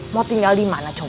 mau tinggal dimana coba